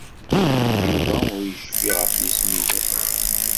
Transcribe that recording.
Yuba ur yecfi ɣef yisem-inu.